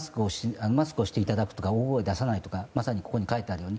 マスクをしていただくとか大声を出さないとかまさにここに書いてあるように。